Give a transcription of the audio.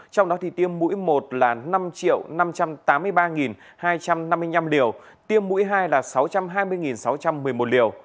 trong đó thì tiêm mũi một là năm năm trăm tám mươi ba hai trăm năm mươi năm liều tiêm mũi hai là sáu trăm hai mươi sáu trăm một mươi một liều